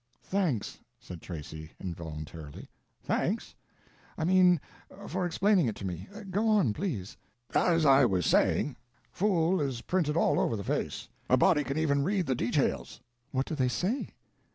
"Thanks,—" said Tracy, involuntarily. "Thanks?" "I mean for explaining it to me. Go on, please." "As I was saying, fool is printed all over the face. A body can even read the _de_tails." "What do they say?"